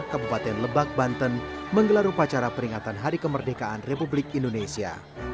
kabupaten lebak banten menggelar upacara peringatan hari kemerdekaan republik indonesia